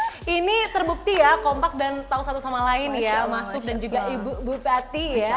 oke ini terbukti ya kompak dan tahu satu sama lain ya mas pup dan juga ibu bupati ya